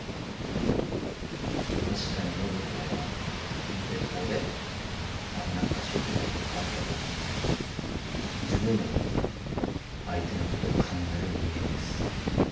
確かに暢子は無鉄砲で危なっかしいところもあるけど自分より相手のことを考える人間です。